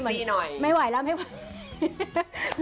เซ็กซี่หน่อยไม่ไหวแล้วไม่ไหว